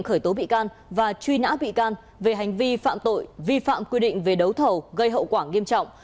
khởi tố bị can và truy nã bị can về hành vi phạm tội vi phạm quy định về đấu thầu gây hậu quả nghiêm trọng